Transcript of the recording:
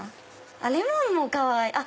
レモンもかわいい！